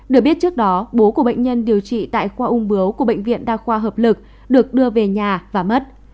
được biết trước đó bố của bệnh nhân điều trị tại khoa ung bướu của bệnh viện đa khoa hợp lực được đưa về nhà và mất